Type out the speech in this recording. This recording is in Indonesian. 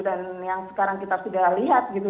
dan yang sekarang kita sudah lihat gitu